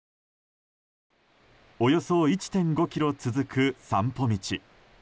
およそ１．５ｋｍ続く散歩道。